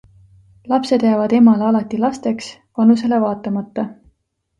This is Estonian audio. Lapsed jäävad emale alati lasteks, vanusele vaatamata.